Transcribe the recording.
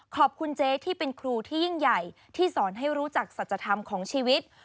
เจ๊ที่เป็นครูที่ยิ่งใหญ่ที่สอนให้รู้จักสัจธรรมของชีวิต